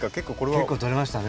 でも結構とれましたね。